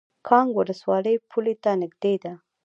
کانګ ولسوالۍ پولې ته نږدې ده؟